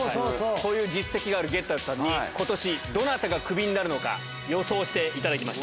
こういう実績があるゲッターズさんに、ことし、どなたがクビになるのか、予想していただきます。